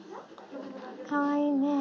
かわいいね。